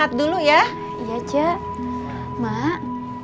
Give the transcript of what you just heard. yang sabar ya mak